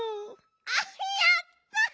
あっやった！